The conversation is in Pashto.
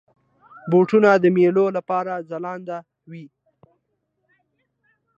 بوټونه د میلو لپاره ځلنده وي.